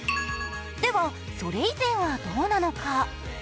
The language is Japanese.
では、それ以前はどうなのか。